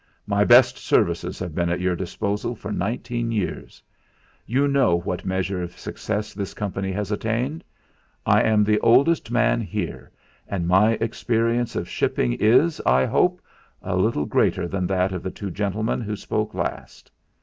My best services have been at your disposal for nineteen years; you know what measure of success this Company has attained. I am the oldest man here, and my experience of shipping is, I hope, a little greater than that of the two gentlemen who spoke last.